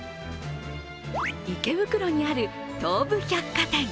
池袋にある東武百貨店。